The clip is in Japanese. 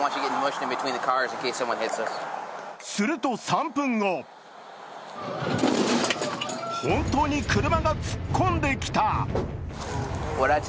すると３分後本当に車が突っ込んできた！